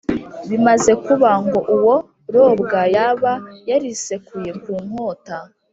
bimaze kuba, ngo uwo robwa yaba yarisekuye ku nkota